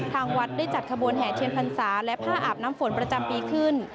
ทางวัดได้จัดขบวนแห่เทียนพรรษาและผ้าอาบน้ำฝนประจำปีขึ้น